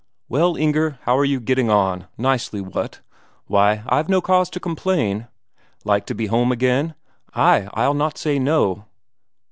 'Well, Inger, how are you getting on? Nicely, what?' 'Why, I've no cause to complain.'' Like to be home again?' 'Ay, I'll not say no.'